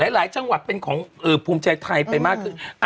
หลายจังหวัดเป็นของภูมิใจไทยไปมากขึ้น